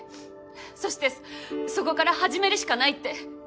そしてそこから始めるしかないって。